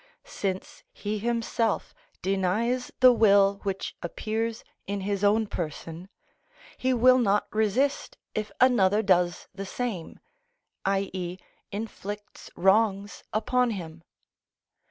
Since he himself denies the will which appears in his own person, he will not resist if another does the same, i.e., inflicts wrongs upon him.